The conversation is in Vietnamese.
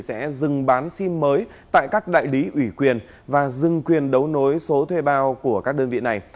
sẽ dừng bán sim mới tại các đại lý ủy quyền và dừng quyền đấu nối số thuê bao của các đơn vị này